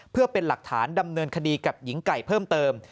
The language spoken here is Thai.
เพื่อเป็นหลักฐานดำเนินคดีกับหญิงไก่เพิ่มเติม